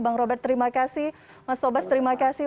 bang robert terima kasih mas tobas terima kasih